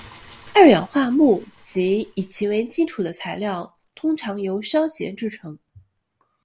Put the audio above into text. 二硅化钼及以其为基础的材料通常由烧结制得。